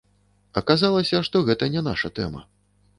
Аказалася, што гэта не наша тэма.